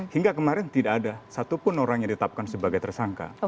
hingga kemarin tidak ada satupun orang yang ditetapkan sebagai tersangka